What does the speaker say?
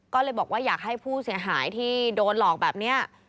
ก็เลยบอกว่าอยากให้ผู้เสียหายที่โดนหลอกแบบนี้